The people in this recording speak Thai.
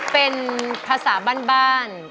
เป็นภาษาบ้าน